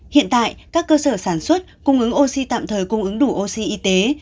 hiện tại các cơ sở sản xuất cung ứng oxy tạm thời cung ứng đủ oxy y tế